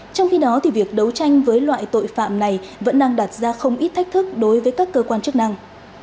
trong khi đó việc đấu tranh với loại tội phạm này vẫn đang đặt ra không ít thách thức đối với các cơ quan chức năng